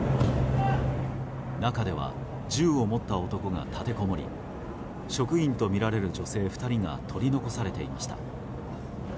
中では銃を持った男が立てこもり職員とみられる女性２人が取り残されていました。